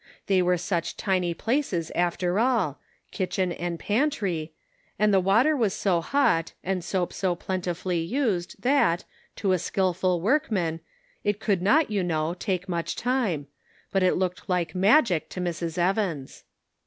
They were such tiny places after all 814 The Pocket Measure. — kitchen and pantry — and the water was so hot and soap so plentifully used that, to a skillful workman, it could not, you know, take much time ; but it looked like rnagic to Mrs. Evans.